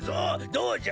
どうじゃ？